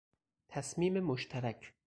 تصمیم مشترک